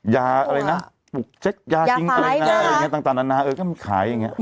ยาอะไรนะปุกเจ็ดยาจริงตัวอย่างนั้นต่างนั้นนะเออก็มันขายอย่างนี้